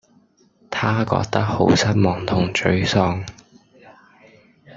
她覺得好失望同沮喪